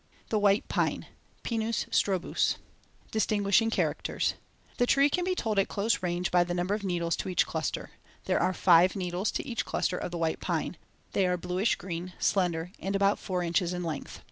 THE WHITE PINE (Pinus strobus) Distinguishing characters: The tree can be told at close range by the number of needles to each cluster, Fig. 2. There are *five* needles to each cluster of the white pine. They are bluish green, slender, and about four inches in length.